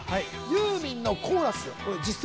ユーミンのコーラスはい